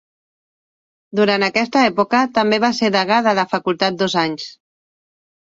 Durant aquesta època, també va ser degà de la facultat dos anys.